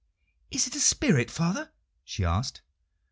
"Is it a spirit, father?" she asked.